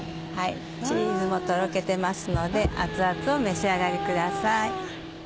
チーズもとろけてますので熱々を召し上がりください。